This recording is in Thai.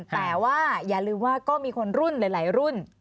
แต่ว่าอย่าลืมว่าก็มีคนรุ่นหลายรุ่น